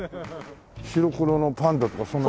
白黒のパンダとかそんな。